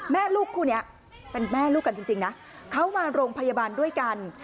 แม่ลูกคู่นี้เป็นแม่ลูกกันจริงนะเขามาโรงพยาบาลด้วยกัน